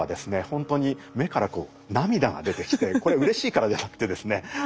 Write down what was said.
ほんとに目からこう涙が出てきてこれうれしいからじゃなくてですね